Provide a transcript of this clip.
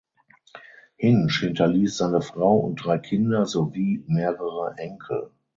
Hinsch hinterließ seine Frau und drei Kinder sowie mehrere Enkel.